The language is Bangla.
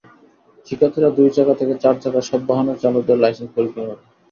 শিক্ষার্থীরা দুই চাকা থেকে চার চাকা সব বাহনের চালকদের লাইসেন্স পরীক্ষা করে।